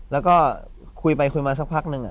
แล้วก็คุยไปคุยมาสักพักนึง